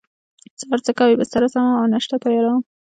سهار څه کوئ؟ بستره سموم او ناشته تیاروم